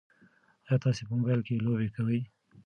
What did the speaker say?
ایا تاسي په موبایل کې لوبې کوئ؟